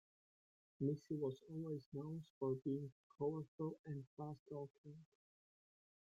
Missy was always known for being colorful and fast talking.